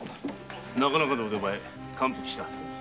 なかなかの腕前感服した。